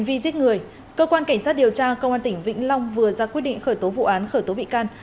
với hành vi giết người cơ quan cảnh sát điều tra công an tỉnh vĩnh long vừa ra quyết định khởi tố vụ án khởi tố bị can